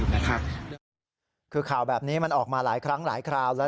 คือข่าวแบบนี้มันออกมาหลายครั้งหลายคราวแล้ว